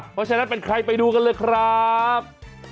เพราะฉะนั้นเป็นใครไปดูกันเลยครับ